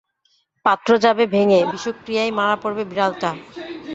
পাত্র যাবে ভেঙে, বিষক্রিয়ায় মারা পড়বে বিড়ালটা।